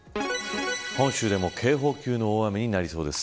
本州でも警報級の大雨になりそうです。